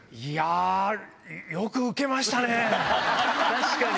確かに。